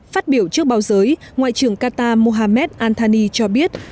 phát biểu trước báo giới ngoại trưởng qatar mohammed al thani cho biết